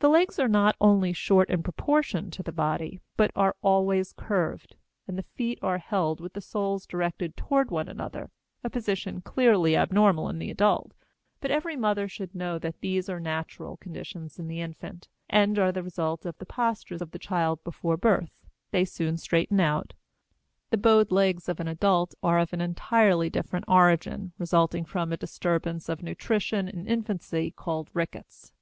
The legs are not only short in proportion to the body but are always curved, and the feet are held with the soles directed toward one another, a position clearly abnormal in the adult. But every mother should know that these are natural conditions in the infant, and are the result of the posture of the child before birth. They soon straighten out. The bowed legs of an adult are of an entirely different origin, resulting from a disturbance of nutrition in infancy called rickets.